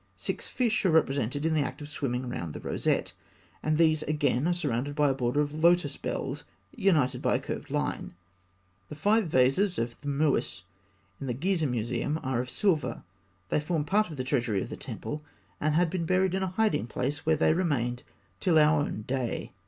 Six fish are represented in the act of swimming round the rosette; and these again are surrounded by a border of lotus bells united by a curved line. The five vases of Thmûis, in the Gizeh Museum, are of silver. They formed part of the treasure of the temple, and had been buried in a hiding place, where they remained till our own day.